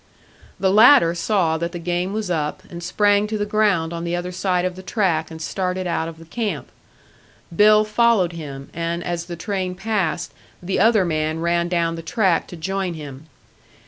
The latter saw that the game was up, and sprang to the ground on the other side of the track and started out of the camp. Bill followed him, and as the train passed, the other man ran down the track to join him.